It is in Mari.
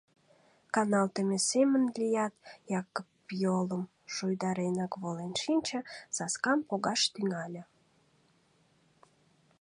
Каналтыме семын лият, Якып йолым шуйдаренак волен шинче, саскам погаш тӱҥале.